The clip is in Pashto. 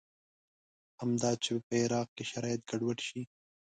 همدا چې په عراق کې شرایط ګډوډ شي.